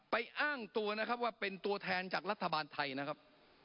อ้างตัวนะครับว่าเป็นตัวแทนจากรัฐบาลไทยนะครับ